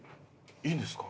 「いいんですか？」。